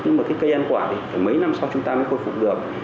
nhưng mà cái cây ăn quả thì phải mấy năm sau chúng ta mới khôi phục được